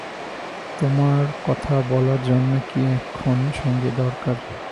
তোমার কথা বলার জন্যে কি এখন সঙ্গী দরকার?